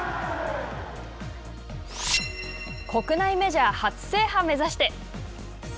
国内メジャー初制覇目指して！